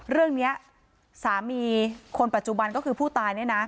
เรื่องนี้สามีคนปัจจุบันก็คือผู้ตายเนี่ยนะ